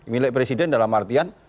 milik presiden dalam artian